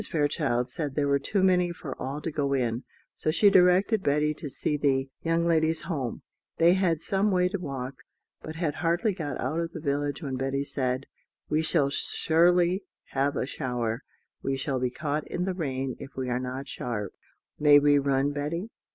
Fairchild said there were too many for all to go in; so she directed Betty to see the young ladies home: they had some way to walk, but had hardly got out of the village when Betty said: "We shall surely have a shower we shall be caught in the rain if we are not sharp." "May we run, Betty?"